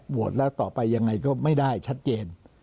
โหวตแล้วต่อไปอย่างไรก็ไม่ได้ชัดเจน